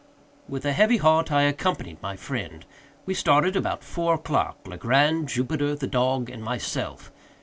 With a heavy heart I accompanied my friend. We started about four o'clock—Legrand, Jupiter, the dog, and myself.